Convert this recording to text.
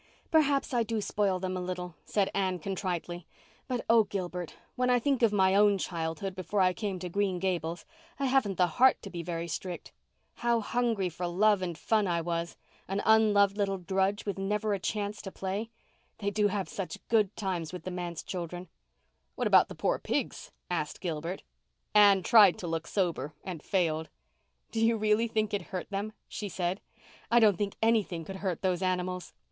"Perhaps I do spoil them a little," said Anne contritely, "but, oh, Gilbert, when I think of my own childhood before I came to Green Gables I haven't the heart to be very strict. How hungry for love and fun I was—an unloved little drudge with never a chance to play! They do have such good times with the manse children." "What about the poor pigs?" asked Gilbert. Anne tried to look sober and failed. "Do you really think it hurt them?" she said. "I don't think anything could hurt those animals.